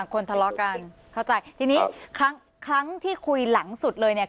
คนทะเลาะกันเข้าใจทีนี้ครั้งที่คุยหลังสุดเลยเนี่ย